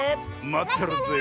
まってるぜ。